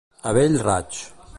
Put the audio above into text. A bell raig.